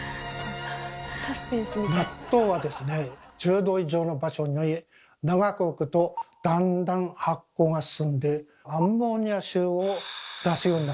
納豆はですね１０℃以上の場所に長く置くとだんだん発酵が進んでアンモニア臭を出すようになります。